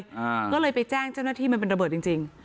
อ่าก็เลยไปแจ้งเจ้าหน้าที่มันเป็นระเบิดจริงจริง